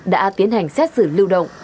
đã tiến hành xét xử lưu động